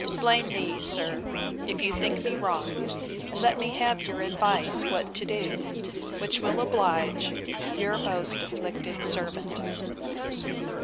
—blame me, sir, if you think me wrong; and let me have your advice what to do; which will oblige 'Your most afflicted servant.